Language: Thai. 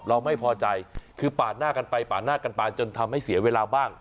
เราไม่พอใจคือปาดหน้ากันไปปาดหน้ากันมาจนทำให้เสียเวลาบ้าง